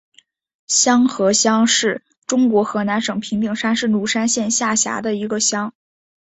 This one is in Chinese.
瀼河乡是中国河南省平顶山市鲁山县下辖的一个乡。